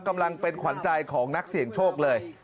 กำลังเป็นขวัญใจของนักเสี่ยงโชคเลย